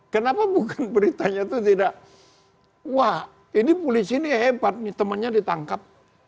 kenapa bukan beritanya itu tidak wah ini polisi ini hebat temannya ditangkap